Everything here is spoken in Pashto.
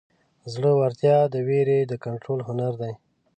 زړهورتیا د وېرې د کنټرول هنر دی.